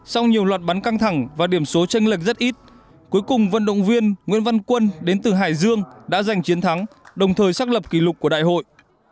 sau nhiều loạt bắn căng thẳng và điểm số tranh lệch rất ít cuối cùng vận động viên nguyễn văn quân đến từ hải dương đã giành chiến thắng đồng thời xác lập kỷ lục của đại hội